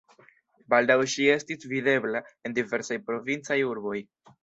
Baldaŭ ŝi estis videbla en diversaj provincaj urboj.